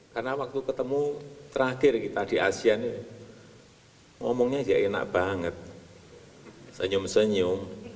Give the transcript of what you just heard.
karena waktu ketemu terakhir kita di asia ini ngomongnya dia enak banget senyum senyum